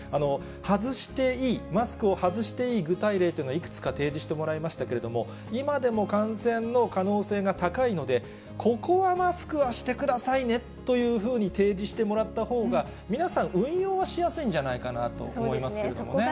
外していい、マスクを外していい具体例というのは、いくつか提示してもらいましたけれども、今でも感染の可能性が高いので、ここはマスクはしてくださいねというふうに提示してもらったほうが、皆さん、運用はしやすいんじゃないかなと思いますけれどもね。